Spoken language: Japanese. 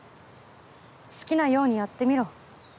好きなようにやってみろ。